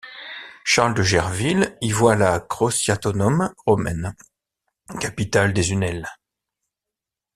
Charles de Gerville y voit la Crociatonum romaine, capitale des Unelles.